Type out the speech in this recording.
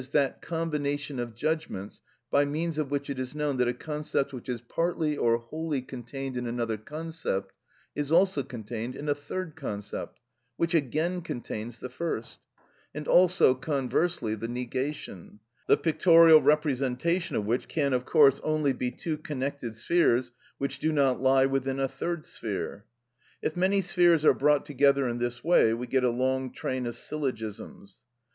_, that combination of judgments, by means of which it is known that a concept which is partly or wholly contained in another concept, is also contained in a third concept, which again contains the first: and also, conversely, the negation; the pictorial representation of which can, of course, only be two connected spheres which do not lie within a third sphere. If many spheres are brought together in this way we get a long train of syllogisms.